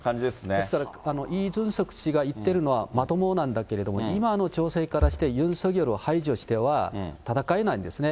ですから、イ・ジュンソク氏が言っているのは、まともなんだけれども、今の情勢からして、ユン・ソギョルを排除しては戦えないんですね。